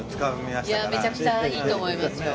いやめちゃくちゃいいと思いますよ。